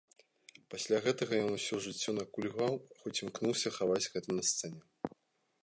Пасля гэтага ён усё жыццё накульгваў, хоць імкнуўся хаваць гэта на сцэне.